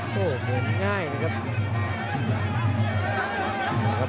โอ้โหเหมือนง่ายเลยครับ